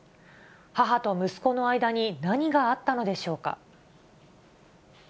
母と息子の間に何があったのでしょうか。